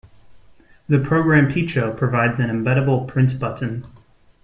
The program Peecho provides an embeddable print button.